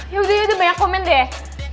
ya udah ya udah banyak komen deh